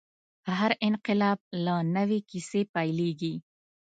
هر انقلاب له نوې کیسې پیلېږي.